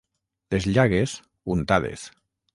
Les llagues, untades.